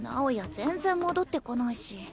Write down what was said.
全然戻ってこないし。